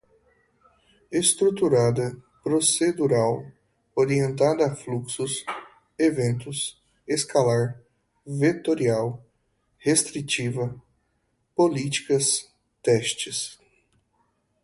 estruturada, procedural, orientada a fluxos, eventos, escalar, vetorial, restritiva, políticas, testes